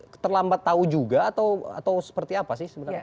terlambat tahu juga atau seperti apa sih sebenarnya